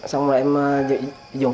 xong rồi em dùng súng để uy hiếp